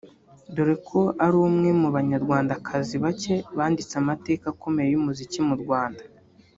dore ko ari umwe mu Banyarwandakazi bake banditse amateka akomeye y’umuziki mu Rwanda